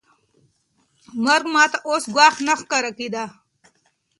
مرګ ما ته اوس ګواښ نه ښکاره کېده.